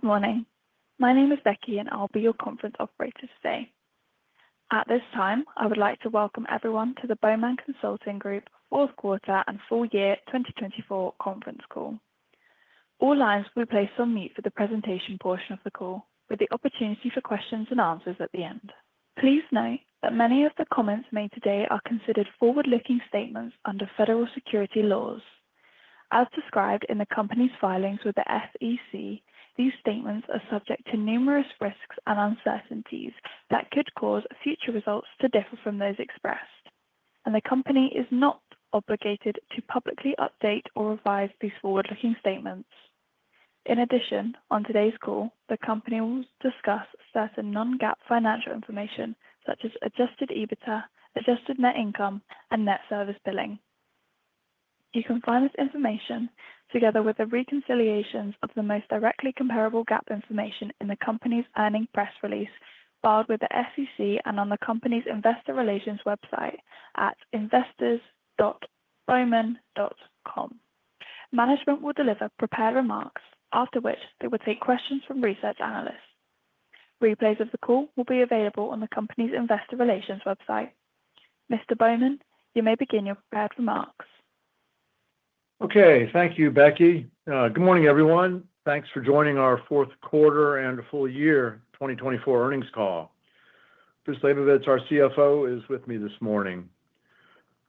Good morning. My name is Becky, and I'll be your conference operator today. At this time, I would like to welcome everyone to the Bowman Consulting Group's fourth quarter and full year 2024 conference call. All lines will be placed on mute for the presentation portion of the call, with the opportunity for questions and answers at the end. Please note that many of the comments made today are considered forward-looking statements under federal securities laws. As described in the company's filings with the SEC, these statements are subject to numerous risks and uncertainties that could cause future results to differ from those expressed, and the company is not obligated to publicly update or revise these forward-looking statements. In addition, on today's call, the company will discuss certain non-GAAP financial information, such as adjusted EBITDA, adjusted net income, and net service billing. You can find this information, together with the reconciliations of the most directly comparable GAAP information, in the company's earnings press release filed with the SEC and on the company's investor relations website at investors.bowman.com. Management will deliver prepared remarks, after which they will take questions from research analysts. Replays of the call will be available on the company's investor relations website. Mr. Bowman, you may begin your prepared remarks. Okay, thank you, Becky. Good morning, everyone. Thanks for joining our fourth quarter and full year 2024 earnings call. Bruce Labovitz, our CFO, is with me this morning.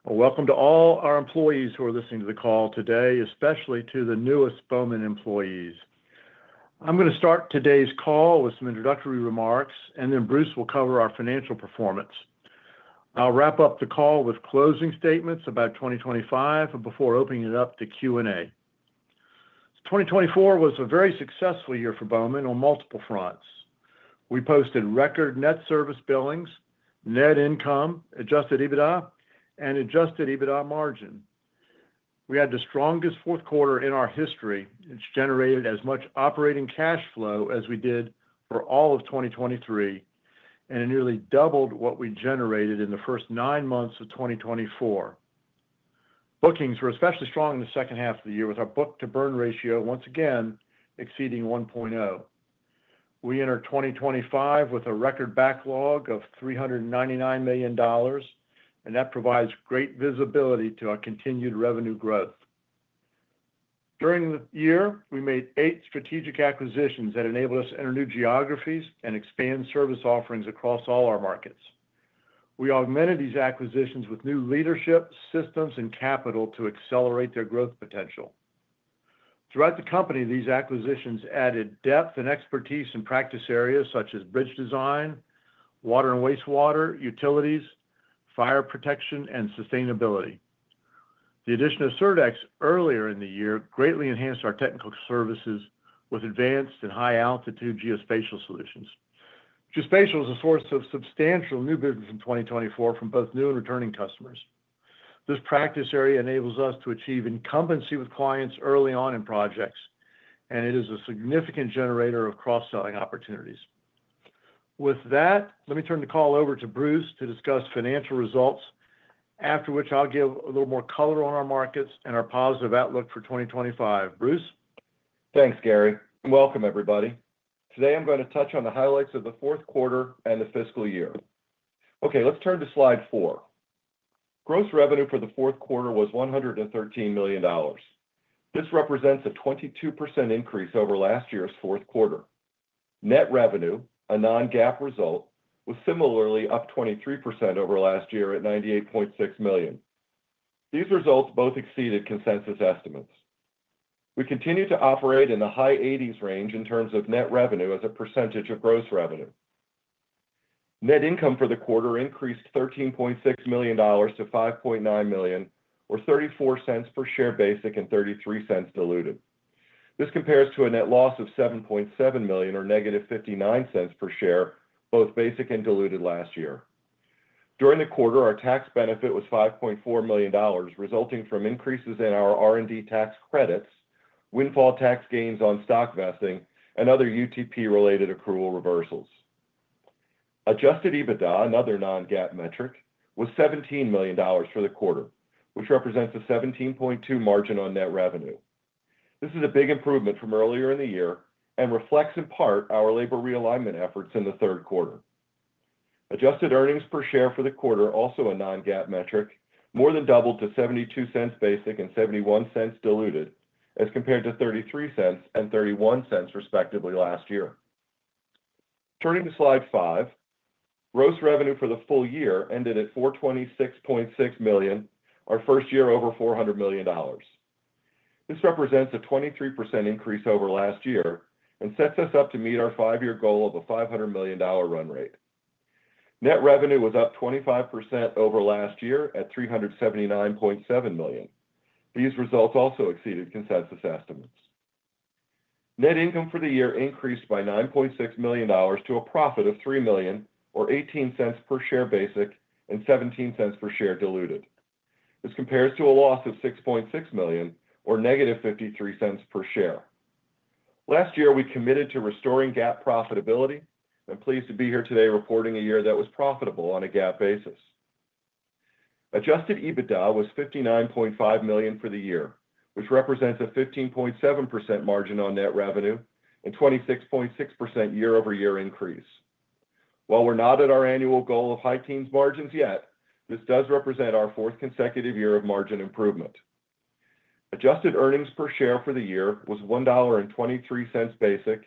Welcome to all our employees who are listening to the call today, especially to the newest Bowman employees. I'm going to start today's call with some introductory remarks, and then Bruce will cover our financial performance. I'll wrap up the call with closing statements about 2025 before opening it up to Q&A. 2024 was a very successful year for Bowman on multiple fronts. We posted record net service billings, net income, adjusted EBITDA, and adjusted EBITDA margin. We had the strongest fourth quarter in our history. It generated as much operating cash flow as we did for all of 2023, and it nearly doubled what we generated in the first nine months of 2024. Bookings were especially strong in the second half of the year, with our book-to-bill ratio once again exceeding 1.0. We entered 2025 with a record backlog of $399 million, and that provides great visibility to our continued revenue growth. During the year, we made eight strategic acquisitions that enabled us to enter new geographies and expand service offerings across all our markets. We augmented these acquisitions with new leadership systems and capital to accelerate their growth potential. Throughout the company, these acquisitions added depth and expertise in practice areas such as bridge design, water and wastewater, utilities, fire protection, and sustainability. The addition of Surdex earlier in the year greatly enhanced our technical services with advanced and high-altitude geospatial solutions. Geospatial is a source of substantial new business in 2024 from both new and returning customers. This practice area enables us to achieve incumbency with clients early on in projects, and it is a significant generator of cross-selling opportunities. With that, let me turn the call over to Bruce to discuss financial results, after which I'll give a little more color on our markets and our positive outlook for 2025. Bruce? Thanks, Gary. Welcome, everybody. Today, I'm going to touch on the highlights of the fourth quarter and the fiscal year. Okay, let's turn to slide four. Gross revenue for the fourth quarter was $113 million. This represents a 22% increase over last year's fourth quarter. Net revenue, a non-GAAP result, was similarly up 23% over last year at $98.6 million. These results both exceeded consensus estimates. We continue to operate in the high 80s range in terms of net revenue as a percentage of gross revenue. Net income for the quarter increased $13.6 million to $5.9 million, or $0.34 per share basic and $0.33 diluted. This compares to a net loss of $7.7 million, or negative $0.59 per share, both basic and diluted last year. During the quarter, our tax benefit was $5.4 million, resulting from increases in our R&D tax credits, windfall tax gains on stock vesting, and other UTP-related accrual reversals. Adjusted EBITDA, another non-GAAP metric, was $17 million for the quarter, which represents a 17.2% margin on net revenue. This is a big improvement from earlier in the year and reflects in part our labor realignment efforts in the third quarter. Adjusted earnings per share for the quarter, also a non-GAAP metric, more than doubled to $0.72 basic and $0.71 diluted as compared to $0.33 and $0.31 respectively last year. Turning to slide five, gross revenue for the full year ended at $426.6 million, our first year over $400 million. This represents a 23% increase over last year and sets us up to meet our five-year goal of a $500 million run rate. Net revenue was up 25% over last year at $379.7 million. These results also exceeded consensus estimates. Net income for the year increased by $9.6 million to a profit of $3 million, or $0.18 per share basic and $0.17 per share diluted. This compares to a loss of $6.6 million, or negative $0.53 per share. Last year, we committed to restoring GAAP profitability and are pleased to be here today reporting a year that was profitable on a GAAP basis. Adjusted EBITDA was $59.5 million for the year, which represents a 15.7% margin on net revenue and a 26.6% year-over-year increase. While we're not at our annual goal of high teens margins yet, this does represent our fourth consecutive year of margin improvement. Adjusted earnings per share for the year was $1.23 basic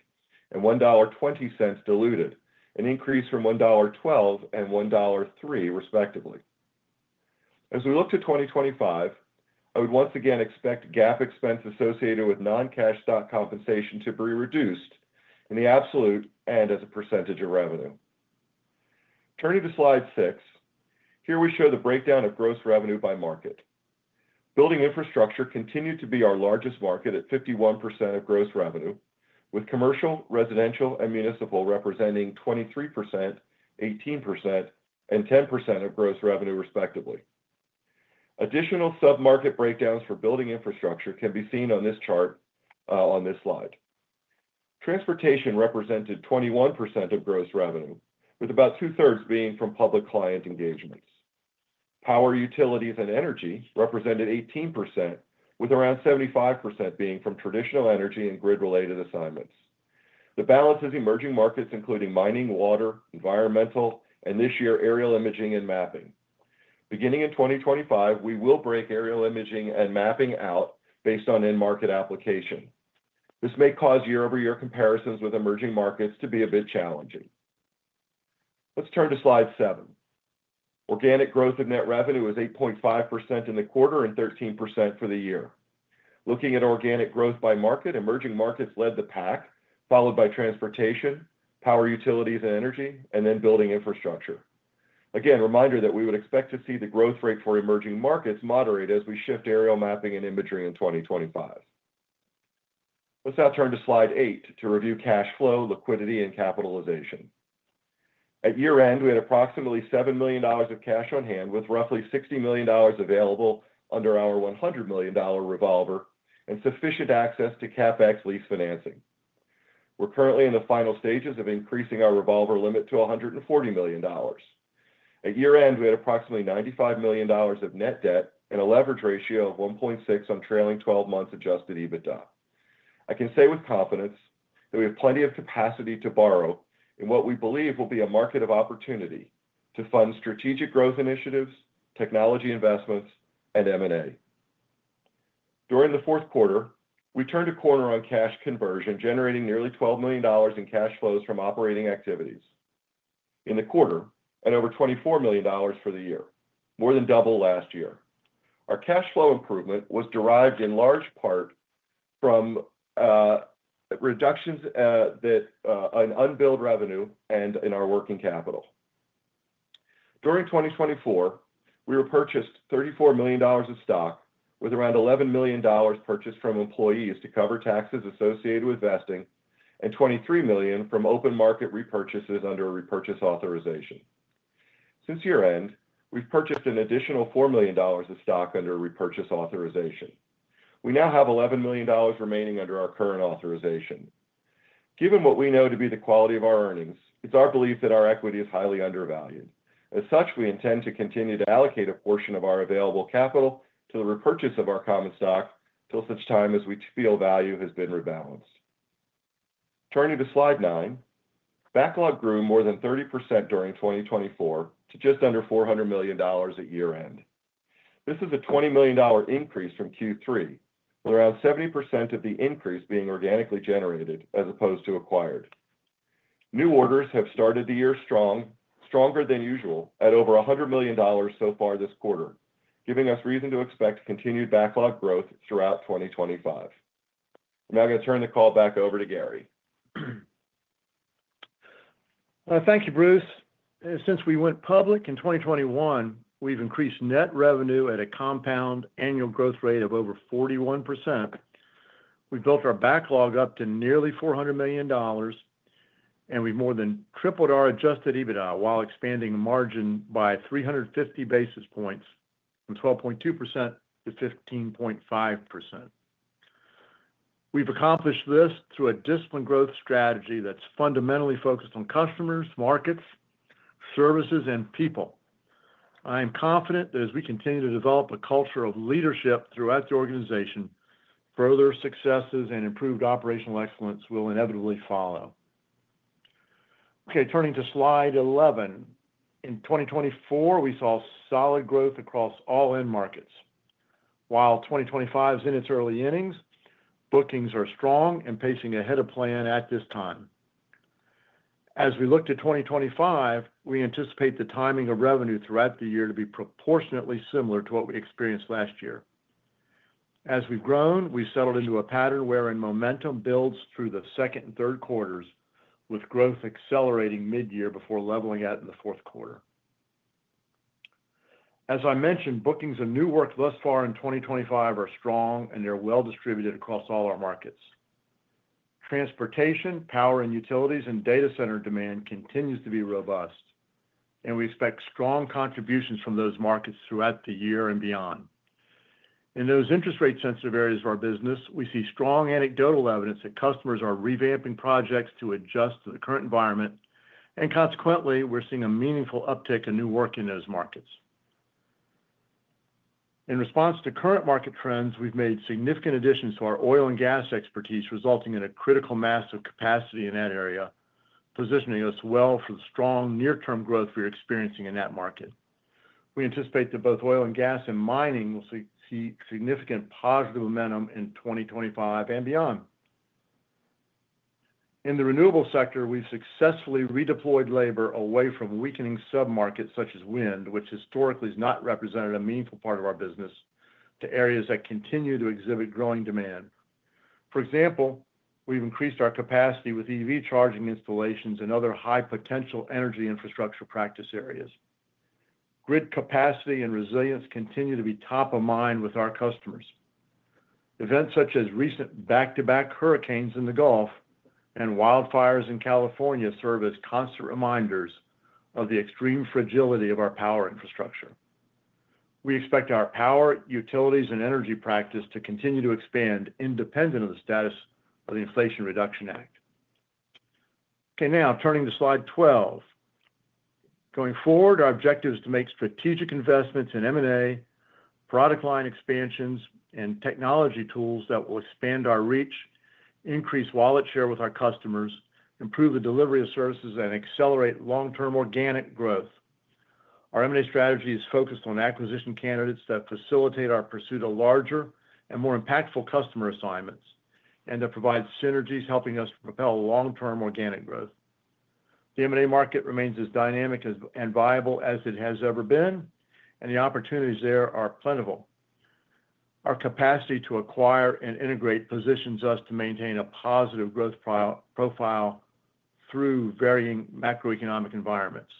and $1.20 diluted, an increase from $1.12 and $1.03 respectively. As we look to 2025, I would once again expect GAAP expense associated with non-cash stock compensation to be reduced in the absolute and as a percentage of revenue. Turning to slide six, here we show the breakdown of gross revenue by market. Building infrastructure continued to be our largest market at 51% of gross revenue, with commercial, residential, and municipal representing 23%, 18%, and 10% of gross revenue respectively. Additional sub-market breakdowns for building infrastructure can be seen on this chart on this slide. Transportation represented 21% of gross revenue, with about two-thirds being from public client engagements. Power, utilities, and energy represented 18%, with around 75% being from traditional energy and grid-related assignments. The balance is emerging markets, including mining, water, environmental, and this year aerial imaging and mapping. Beginning in 2025, we will break aerial imaging and mapping out based on in-market application. This may cause year-over-year comparisons with emerging markets to be a bit challenging. Let's turn to slide seven. Organic growth of net revenue is 8.5% in the quarter and 13% for the year. Looking at organic growth by market, emerging markets led the pack, followed by transportation, power, utilities, and energy, and then building infrastructure. Again, a reminder that we would expect to see the growth rate for emerging markets moderate as we shift aerial mapping and imagery in 2025. Let's now turn to slide eight to review cash flow, liquidity, and capitalization. At year-end, we had approximately $7 million of cash on hand, with roughly $60 million available under our $100 million revolver and sufficient access to CapEx lease financing. We're currently in the final stages of increasing our revolver limit to $140 million. At year-end, we had approximately $95 million of net debt and a leverage ratio of 1.6 on trailing 12 months' adjusted EBITDA. I can say with confidence that we have plenty of capacity to borrow in what we believe will be a market of opportunity to fund strategic growth initiatives, technology investments, and M&A. During the fourth quarter, we turned a corner on cash conversion, generating nearly $12 million in cash flows from operating activities. In the quarter, at over $24 million for the year, more than double last year. Our cash flow improvement was derived in large part from reductions in unbilled revenue and in our working capital. During 2024, we repurchased $34 million of stock, with around $11 million purchased from employees to cover taxes associated with vesting and $23 million from open market repurchases under a repurchase authorization. Since year-end, we've purchased an additional $4 million of stock under a repurchase authorization. We now have $11 million remaining under our current authorization. Given what we know to be the quality of our earnings, it's our belief that our equity is highly undervalued. As such, we intend to continue to allocate a portion of our available capital to the repurchase of our common stock till such time as we feel value has been rebalanced. Turning to slide nine, backlog grew more than 30% during 2024 to just under $400 million at year-end. This is a $20 million increase from Q3, with around 70% of the increase being organically generated as opposed to acquired. New orders have started the year stronger than usual at over $100 million so far this quarter, giving us reason to expect continued backlog growth throughout 2025. I'm now going to turn the call back over to Gary. Thank you, Bruce. Since we went public in 2021, we've increased net revenue at a compound annual growth rate of over 41%. We built our backlog up to nearly $400 million, and we've more than tripled our adjusted EBITDA while expanding margin by 350 basis points from 12.2% to 15.5%. We've accomplished this through a disciplined growth strategy that's fundamentally focused on customers, markets, services, and people. I am confident that as we continue to develop a culture of leadership throughout the organization, further successes and improved operational excellence will inevitably follow. Okay, turning to slide 11. In 2024, we saw solid growth across all end markets. While 2025 is in its early innings, bookings are strong and pacing ahead of plan at this time. As we look to 2025, we anticipate the timing of revenue throughout the year to be proportionately similar to what we experienced last year. As we've grown, we've settled into a pattern wherein momentum builds through the second and third quarters, with growth accelerating mid-year before leveling out in the fourth quarter. As I mentioned, bookings and new work thus far in 2025 are strong, and they're well distributed across all our markets. Transportation, power, and utilities and data center demand continues to be robust, and we expect strong contributions from those markets throughout the year and beyond. In those interest rate-sensitive areas of our business, we see strong anecdotal evidence that customers are revamping projects to adjust to the current environment, and consequently, we're seeing a meaningful uptick in new work in those markets. In response to current market trends, we've made significant additions to our oil and gas expertise, resulting in a critical mass of capacity in that area, positioning us well for the strong near-term growth we're experiencing in that market. We anticipate that both oil and gas and mining will see significant positive momentum in 2025 and beyond. In the renewable sector, we've successfully redeployed labor away from weakening sub-markets such as wind, which historically has not represented a meaningful part of our business, to areas that continue to exhibit growing demand. For example, we've increased our capacity with EV charging installations and other high-potential energy infrastructure practice areas. Grid capacity and resilience continue to be top of mind with our customers. Events such as recent back-to-back hurricanes in the Gulf and wildfires in California serve as constant reminders of the extreme fragility of our power infrastructure. We expect our power, utilities, and energy practice to continue to expand independent of the status of the Inflation Reduction Act. Okay, now turning to slide 12. Going forward, our objective is to make strategic investments in M&A, product line expansions, and technology tools that will expand our reach, increase wallet share with our customers, improve the delivery of services, and accelerate long-term organic growth. Our M&A strategy is focused on acquisition candidates that facilitate our pursuit of larger and more impactful customer assignments and that provide synergies, helping us propel long-term organic growth. The M&A market remains as dynamic and viable as it has ever been, and the opportunities there are plentiful. Our capacity to acquire and integrate positions us to maintain a positive growth profile through varying macroeconomic environments.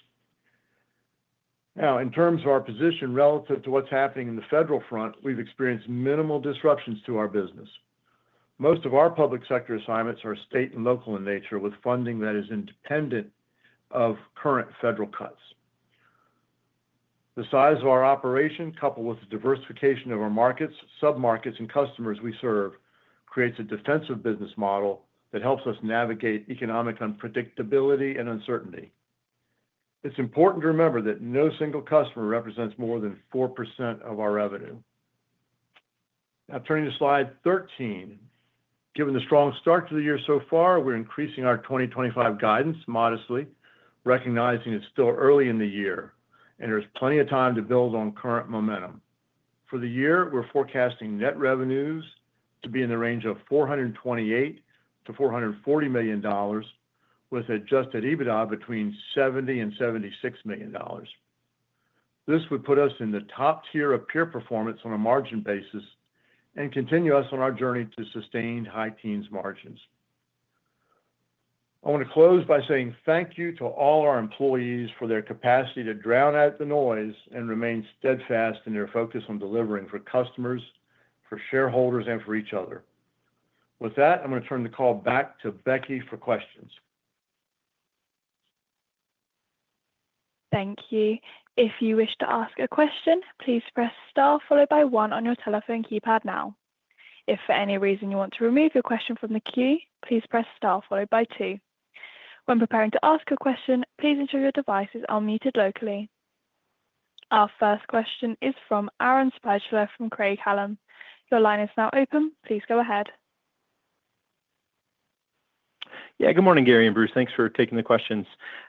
Now, in terms of our position relative to what's happening in the federal front, we've experienced minimal disruptions to our business. Most of our public sector assignments are state and local in nature, with funding that is independent of current federal cuts. The size of our operation, coupled with the diversification of our markets, sub-markets, and customers we serve, creates a defensive business model that helps us navigate economic unpredictability and uncertainty. It's important to remember that no single customer represents more than 4% of our revenue. Now, turning to slide 13, given the strong start to the year so far, we're increasing our 2025 guidance modestly, recognizing it's still early in the year and there's plenty of time to build on current momentum. For the year, we're forecasting net revenues to be in the range of $428 million-$440 million, with adjusted EBITDA between $70 million-$76 million. This would put us in the top tier of peer performance on a margin basis and continue us on our journey to sustained high teens margins. I want to close by saying thank you to all our employees for their capacity to drown out the noise and remain steadfast in their focus on delivering for customers, for shareholders, and for each other. With that, I'm going to turn the call back to Becky for questions. Thank you. If you wish to ask a question, please press star followed by one on your telephone keypad now. If for any reason you want to remove your question from the queue, please press star followed by two. When preparing to ask a question, please ensure your device is unmuted locally. Our first question is from Aaron Spychalla from Craig-Hallum. Your line is now open. Please go ahead. Yeah, good morning, Gary and Bruce. Thanks for taking the questions.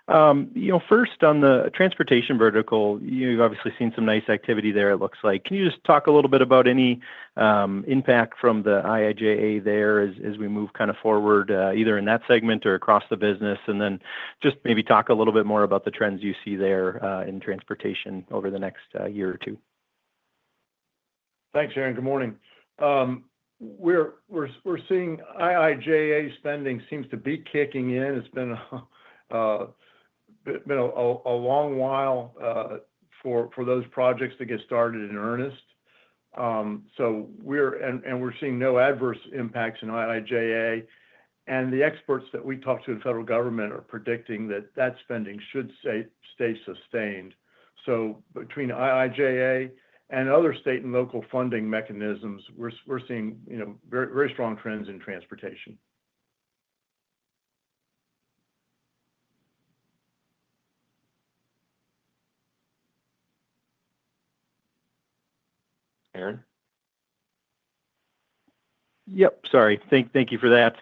You know, first, on the transportation vertical, you've obviously seen some nice activity there, it looks like. Can you just talk a little bit about any impact from the IIJA there as we move kind of forward, either in that segment or across the business, and then just maybe talk a little bit more about the trends you see there in transportation over the next year or two? Thanks, Aaron. Good morning. We're seeing IIJA spending seems to be kicking in. It's been a long while for those projects to get started in earnest. We're seeing no adverse impacts in IIJA. The experts that we talked to in the federal government are predicting that that spending should stay sustained. Between IIJA and other state and local funding mechanisms, we're seeing very strong trends in transportation. Yep, sorry. Thank you for that.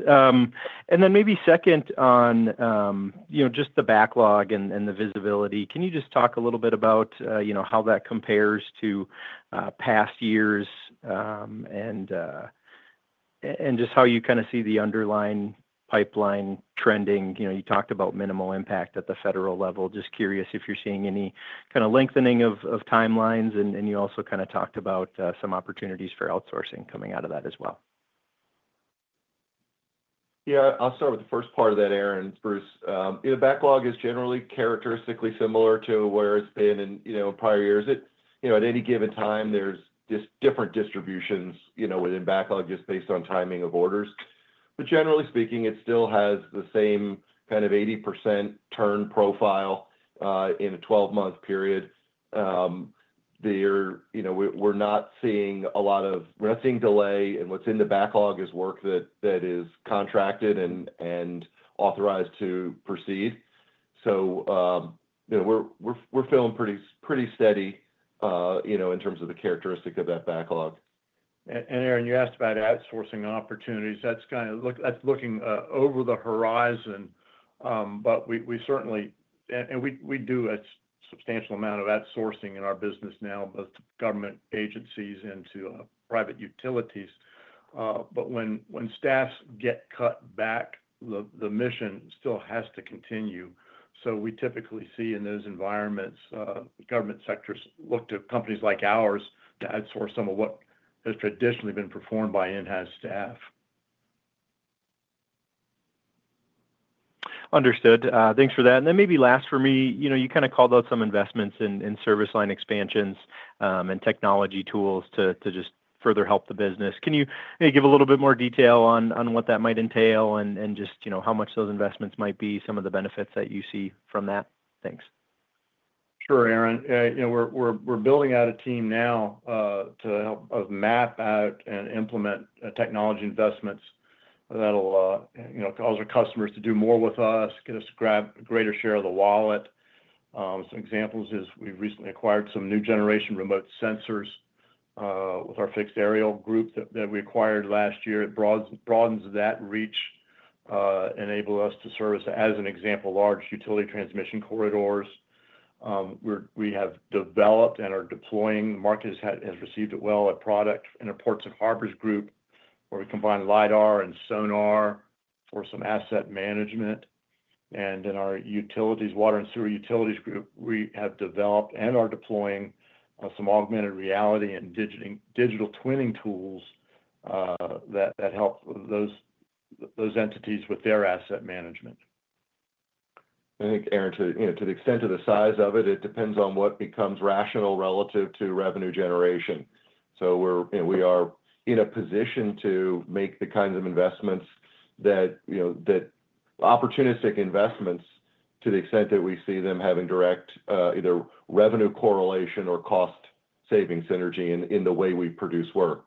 Maybe second on just the backlog and the visibility, can you just talk a little bit about how that compares to past years and just how you kind of see the underlying pipeline trending? You talked about minimal impact at the federal level. Just curious if you're seeing any kind of lengthening of timelines, and you also kind of talked about some opportunities for outsourcing coming out of that as well. Yeah, I'll start with the first part of that, Aaron and Bruce. The backlog is generally characteristically similar to where it's been in prior years. At any given time, there's just different distributions within backlog just based on timing of orders. Generally speaking, it still has the same kind of 80% turn profile in a 12-month period. We're not seeing a lot of—we're not seeing delay, and what's in the backlog is work that is contracted and authorized to proceed. We're feeling pretty steady in terms of the characteristic of that backlog. Aaron, you asked about outsourcing opportunities. That is looking over the horizon, but we certainly do a substantial amount of outsourcing in our business now, both government agencies and to private utilities. When staffs get cut back, the mission still has to continue. We typically see in those environments, government sectors look to companies like ours to outsource some of what has traditionally been performed by in-house staff. Understood. Thanks for that. Maybe last for me, you kind of called out some investments in service line expansions and technology tools to just further help the business. Can you maybe give a little bit more detail on what that might entail and just how much those investments might be, some of the benefits that you see from that? Thanks. Sure, Aaron. We're building out a team now to help us map out and implement technology investments that'll cause our customers to do more with us, get us to grab a greater share of the wallet. Some examples is we've recently acquired some new generation remote sensors with our fixed aerial group that we acquired last year. It broadens that reach, enables us to service as an example, large utility transmission corridors. We have developed and are deploying. The market has received it well, a product in our ports and harbors group where we combine LiDAR and sonar for some asset management. In our utilities, water and sewer utilities group, we have developed and are deploying some augmented reality and digital twinning tools that help those entities with their asset management. I think, Aaron, to the extent of the size of it, it depends on what becomes rational relative to revenue generation. We are in a position to make the kinds of investments that opportunistic investments to the extent that we see them having direct either revenue correlation or cost-saving synergy in the way we produce work.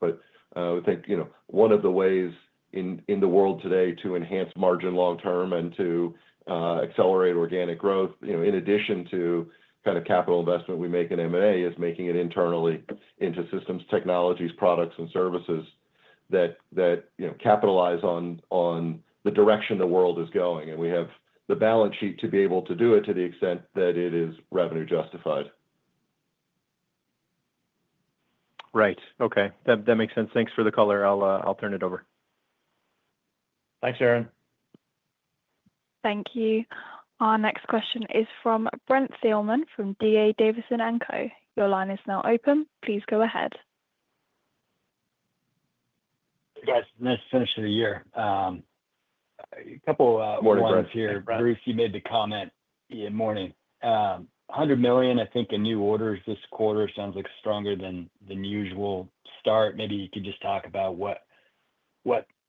I think one of the ways in the world today to enhance margin long-term and to accelerate organic growth, in addition to kind of capital investment we make in M&A, is making it internally into systems, technologies, products, and services that capitalize on the direction the world is going. We have the balance sheet to be able to do it to the extent that it is revenue justified. Right. Okay. That makes sense. Thanks for the color. I'll turn it over. Thanks, Aaron. Thank you. Our next question is from Brent Thielman from D.A. Davidson & Co. Your line is now open. Please go ahead. Hey, guys. Nice finish of the year. A couple of words here. Bruce, you made the comment. Good morning. $100 million, I think a new order this quarter sounds like a stronger than usual start. Maybe you could just talk about what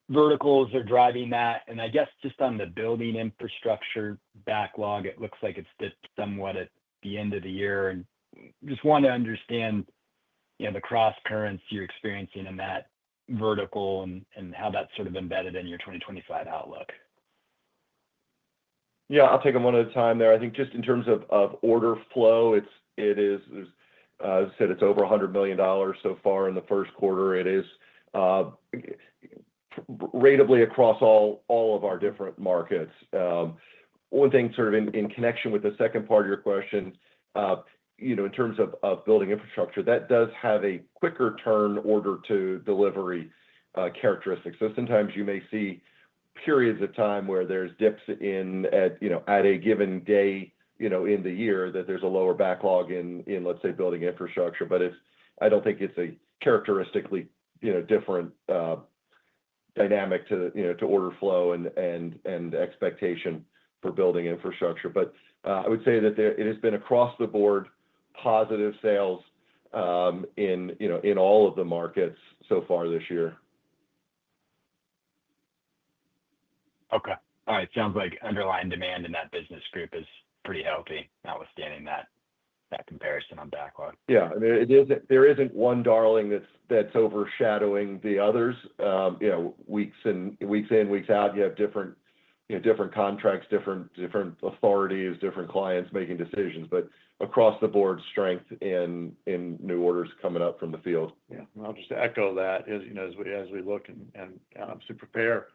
verticals are driving that. I guess just on the building infrastructure backlog, it looks like it's dipped somewhat at the end of the year. I just want to understand the cross currents you're experiencing in that vertical and how that's sort of embedded in your 2025 outlook. Yeah, I'll take them one at a time there. I think just in terms of order flow, it is, as I said, it's over $100 million so far in the first quarter. It is ratably across all of our different markets. One thing sort of in connection with the second part of your question, in terms of building infrastructure, that does have a quicker turn order to delivery characteristics. Sometimes you may see periods of time where there's dips in at a given day in the year that there's a lower backlog in, let's say, building infrastructure. I don't think it's a characteristically different dynamic to order flow and expectation for building infrastructure. I would say that it has been across the board positive sales in all of the markets so far this year. Okay. All right. Sounds like underlying demand in that business group is pretty healthy, notwithstanding that comparison on backlog. Yeah. I mean, there isn't one darling that's overshadowing the others. Weeks in, weeks out, you have different contracts, different authorities, different clients making decisions. Across the board, strength in new orders coming up from the field. Yeah. I'll just echo that as we look and obviously prepare.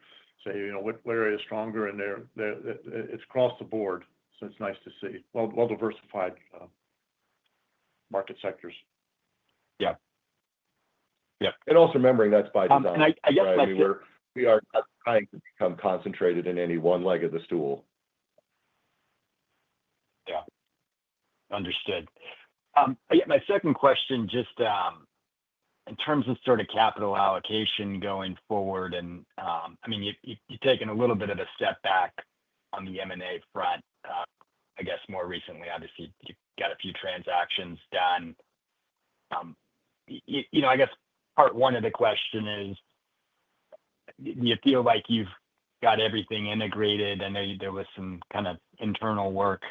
Where it's stronger in there, it's across the board. It's nice to see well-diversified market sectors. Yeah. Yeah. Also remembering that's by design. I guess my second. We are not trying to become concentrated in any one leg of the stool. Yeah. Understood. Yeah. My second question, just in terms of sort of capital allocation going forward, and I mean, you've taken a little bit of a step back on the M&A front, I guess, more recently. Obviously, you've got a few transactions done. I guess part one of the question is, do you feel like you've got everything integrated? I know there was some kind of internal work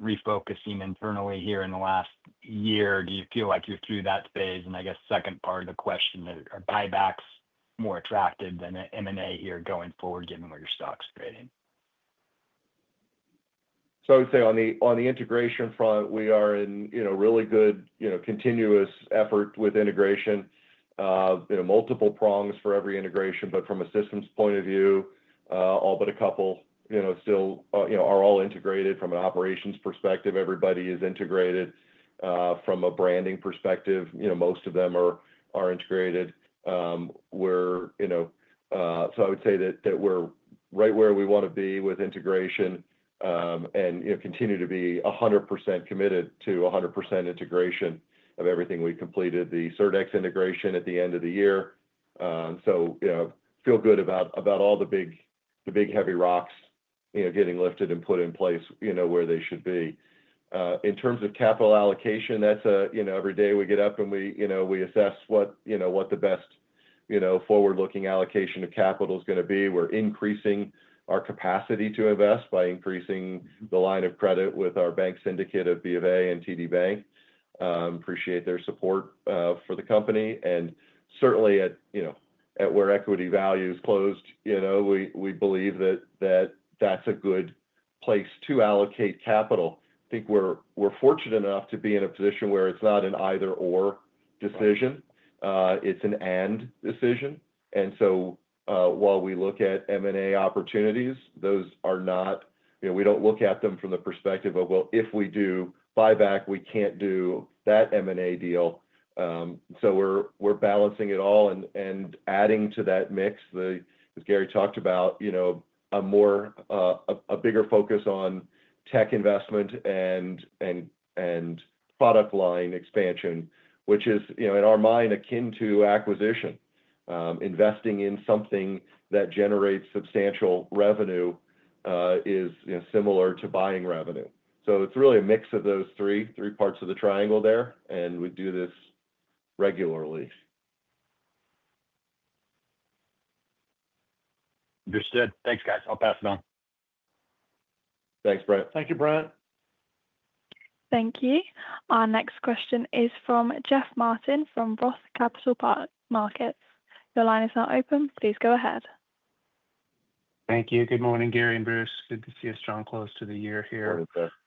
refocusing internally here in the last year. Do you feel like you're through that phase? I guess second part of the question, are buybacks more attractive than M&A here going forward, given where your stock's trading? I would say on the integration front, we are in really good continuous effort with integration. Multiple prongs for every integration, but from a systems point of view, all but a couple still are all integrated. From an operations perspective, everybody is integrated. From a branding perspective, most of them are integrated. I would say that we're right where we want to be with integration and continue to be 100% committed to 100% integration of everything. We completed the Surdex integration at the end of the year. I feel good about all the big heavy rocks getting lifted and put in place where they should be. In terms of capital allocation, that's every day we get up and we assess what the best forward-looking allocation of capital is going to be. We're increasing our capacity to invest by increasing the line of credit with our bank syndicate of B of A and TD Bank. Appreciate their support for the company. Certainly, at where equity values closed, we believe that that's a good place to allocate capital. I think we're fortunate enough to be in a position where it's not an either/or decision. It's an and decision. While we look at M&A opportunities, those are not—we don't look at them from the perspective of, well, if we do buyback, we can't do that M&A deal. We're balancing it all and adding to that mix, as Gary talked about, a bigger focus on tech investment and product line expansion, which is, in our mind, akin to acquisition. Investing in something that generates substantial revenue is similar to buying revenue. It is really a mix of those three parts of the triangle there, and we do this regularly. Understood. Thanks, guys. I'll pass it on. Thanks, Brent. Thank you, Brent. Thank you. Our next question is from Jeff Martin from Roth Capital Markets. Your line is now open. Please go ahead. Thank you. Good morning, Gary and Bruce. Good to see a strong close to the year here.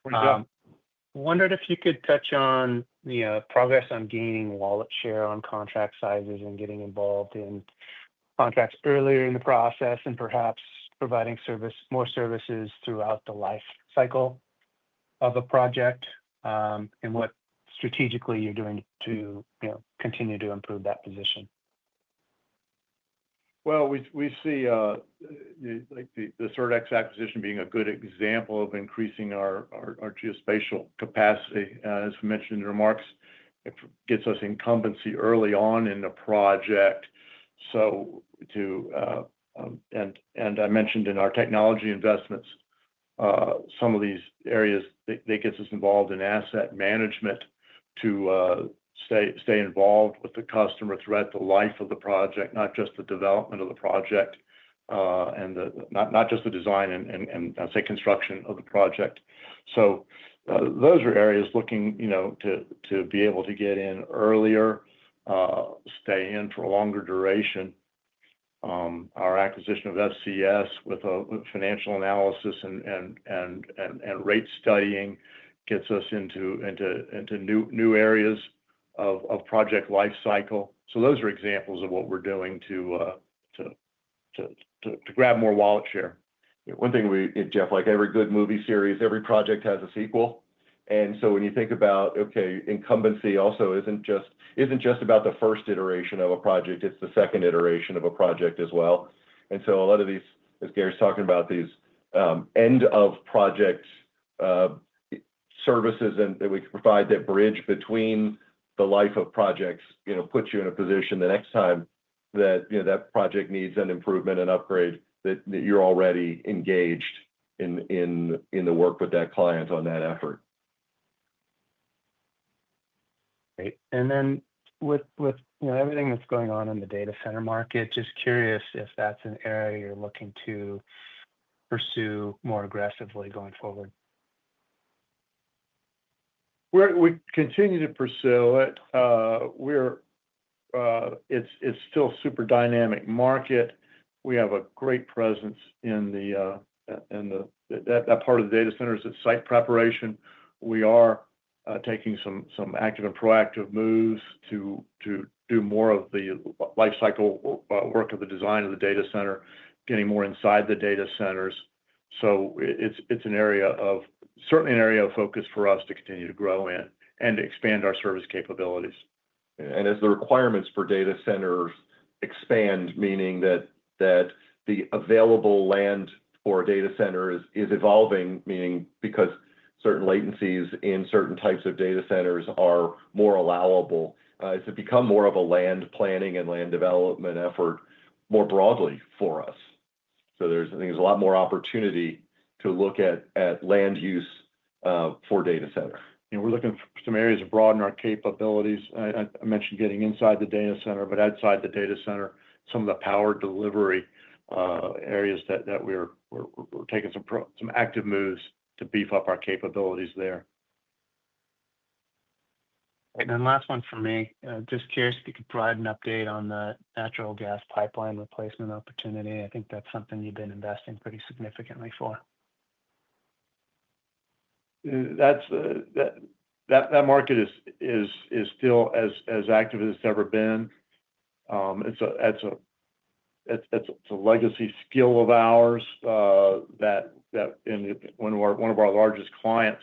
Morning, Jeff. Wondered if you could touch on the progress on gaining wallet share on contract sizes and getting involved in contracts earlier in the process and perhaps providing more services throughout the life cycle of a project and what strategically you're doing to continue to improve that position. We see the Surdex acquisition being a good example of increasing our geospatial capacity. As mentioned in remarks, it gets us incumbency early on in the project. I mentioned in our technology investments, some of these areas, they get us involved in asset management to stay involved with the customer throughout the life of the project, not just the development of the project, and not just the design and, I'll say, construction of the project. Those are areas looking to be able to get in earlier, stay in for a longer duration. Our acquisition of FCS with financial analysis and rate studying gets us into new areas of project life cycle. Those are examples of what we're doing to grab more wallet share. One thing, Jeff, like every good movie series, every project has a sequel. When you think about, okay, incumbency also isn't just about the first iteration of a project. It's the second iteration of a project as well. A lot of these, as Gary's talking about, these end-of-project services that we provide that bridge between the life of projects puts you in a position the next time that that project needs an improvement and upgrade that you're already engaged in the work with that client on that effort. Great. With everything that's going on in the data center market, just curious if that's an area you're looking to pursue more aggressively going forward. We continue to pursue it. It is still a super dynamic market. We have a great presence in that part of the data centers. It is site preparation. We are taking some active and proactive moves to do more of the life cycle work of the design of the data center, getting more inside the data centers. It is certainly an area of focus for us to continue to grow in and expand our service capabilities. As the requirements for data centers expand, meaning that the available land for a data center is evolving, meaning because certain latencies in certain types of data centers are more allowable, it has become more of a land planning and land development effort more broadly for us. I think there is a lot more opportunity to look at land use for data centers. We're looking for some areas to broaden our capabilities. I mentioned getting inside the data center, but outside the data center, some of the power delivery areas that we're taking some active moves to beef up our capabilities there. Last one for me. Just curious if you could provide an update on the natural gas pipeline replacement opportunity. I think that's something you've been investing pretty significantly for. That market is still as active as it's ever been. It's a legacy skill of ours that one of our largest clients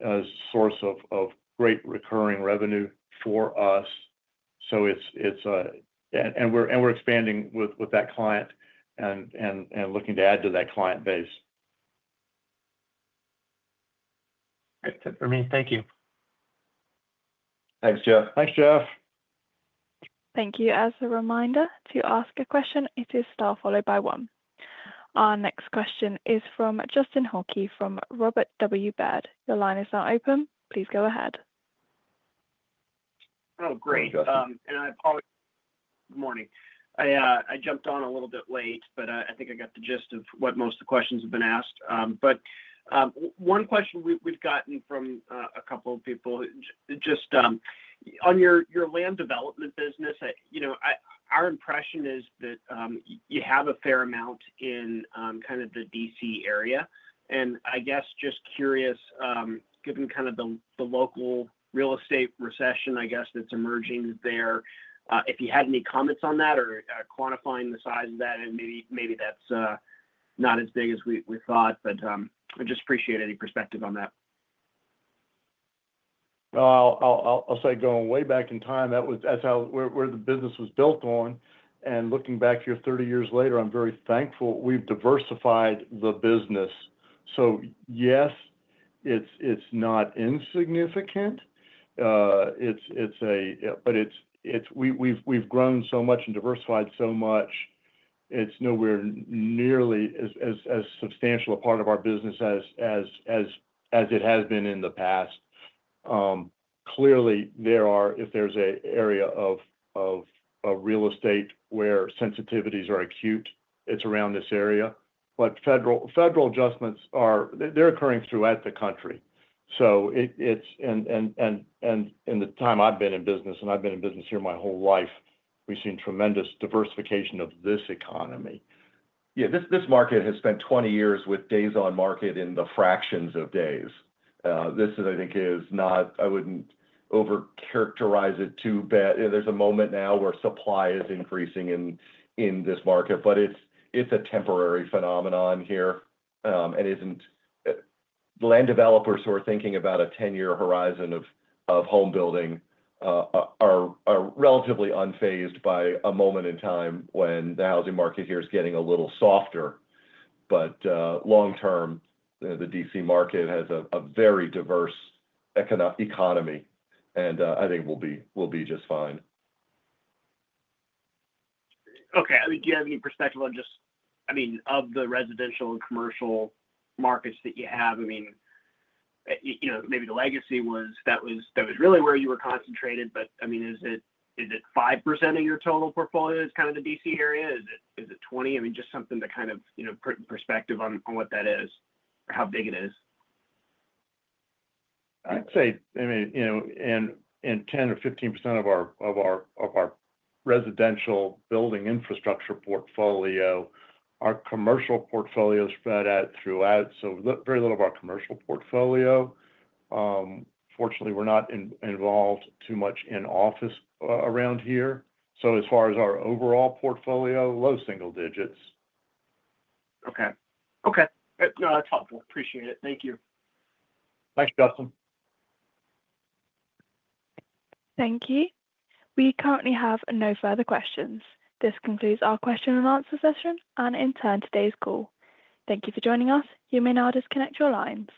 is a source of great recurring revenue for us. We're expanding with that client and looking to add to that client base. Good for me. Thank you. Thanks, Jeff. Thanks, Jeff. Thank you. As a reminder, to ask a question, it is star followed by one. Our next question is from Justin Hauke from Robert W. Baird. Your line is now open. Please go ahead. Oh, great. I apologize. Good morning. I jumped on a little bit late, but I think I got the gist of what most of the questions have been asked. One question we've gotten from a couple of people, just on your land development business, our impression is that you have a fair amount in kind of the DC area. I guess just curious, given kind of the local real estate recession, I guess, that's emerging there, if you had any comments on that or quantifying the size of that, and maybe that's not as big as we thought, but I just appreciate any perspective on that. I'll say going way back in time, that's how the business was built on. Looking back here 30 years later, I'm very thankful we've diversified the business. Yes, it's not insignificant, but we've grown so much and diversified so much. It's nowhere nearly as substantial a part of our business as it has been in the past. Clearly, if there's an area of real estate where sensitivities are acute, it's around this area. Federal adjustments, they're occurring throughout the country. In the time I've been in business, and I've been in business here my whole life, we've seen tremendous diversification of this economy. Yeah. This market has spent 20 years with days on market in the fractions of days. This, I think, is not—I would not over-characterize it too bad. There is a moment now where supply is increasing in this market, but it is a temporary phenomenon here. Land developers who are thinking about a 10-year horizon of home building are relatively unfazed by a moment in time when the housing market here is getting a little softer. Long-term, the DC market has a very diverse economy, and I think we will be just fine. Okay. I mean, do you have any perspective on just, I mean, of the residential and commercial markets that you have? I mean, maybe the legacy was that was really where you were concentrated, but I mean, is it 5% of your total portfolio is kind of the DC area? Is it 20%? I mean, just something to kind of put in perspective on what that is or how big it is. I'd say, I mean, in 10% or 15% of our residential building infrastructure portfolio, our commercial portfolio is spread out throughout. Very little of our commercial portfolio. Fortunately, we're not involved too much in office around here. As far as our overall portfolio, low single digits. Okay. Okay. No, that's helpful. Appreciate it. Thank you. Thanks, Justin. Thank you. We currently have no further questions. This concludes our question and answer session and, in turn, today's call. Thank you for joining us. You may now disconnect your lines.